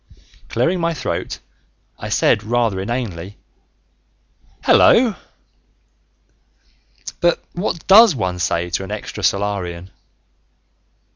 Clearing my throat, I said rather inanely, "Hello!" but what does one say to an extrasolarian?